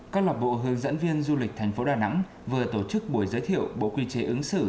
các lọc bộ hướng dẫn viên du lịch thành phố đà nẵng vừa tổ chức buổi giới thiệu bộ quy chế ứng xử